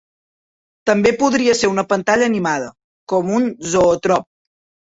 També podria ser una pantalla animada, com un zoòtrop.